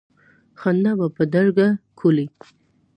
خندا به بدرګه کولې.